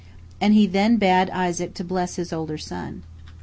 and then He bade Isaac bless his older son.